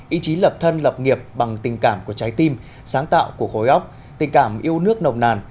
ý chí lập thân lập nghiệp bằng tình cảm của trái tim sáng tạo của khối óc tình cảm yêu nước nồng nàn